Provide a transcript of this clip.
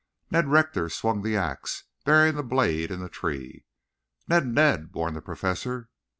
Ned Rector swung the axe, burying the blade in the tree. "Ned, Ned!" warned the Professor.